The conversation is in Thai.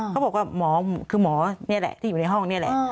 เขาบอกว่าหมอคือหมอนี่แหละที่อยู่ในห้องนี่แหละ